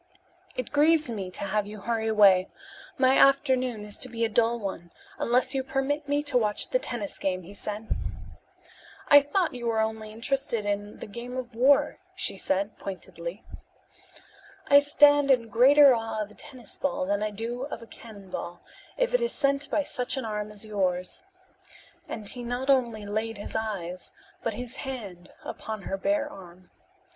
"It grieves me to have you hurry away. My afternoon is to be a dull one, unless you permit me to watch the tennis game," he said. "I thought you were interested only in the game of war," she said pointedly. "I stand in greater awe of a tennis ball than I do of a cannonball, if it is sent by such an arm as yours," and he not only laid his eyes but his hand upon her bare arm.